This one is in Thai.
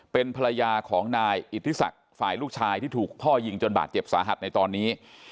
เป็นภรรยาของนายอิทธิศักดิ์ฝ่ายลูกชายที่ถูกพ่อยิงจนบาดเจ็บสาหัสในตอนนี้